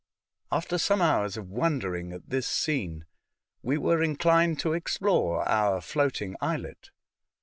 After some hours of wondering at this scene, we were inclined to explore our floating islet.